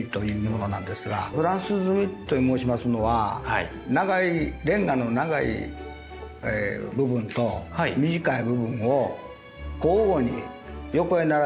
フランス積みと申しますのはレンガの長い部分と短い部分を交互に横へ並べた積み方ですよね。